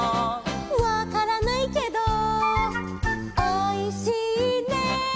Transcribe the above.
「わからないけどおいしいね」